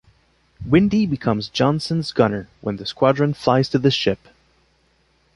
Windy becomes Johnson's gunner when the squadron flies to the ship.